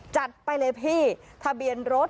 จัดไปเลยพี่ทะเบียนรถ